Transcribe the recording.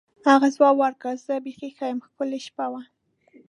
هغې ځواب ورکړ: زه بیخي ښه یم، ښکلې شپه وه.